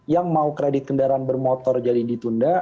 yang mau kredit kendaraan bermotor jadi ditunda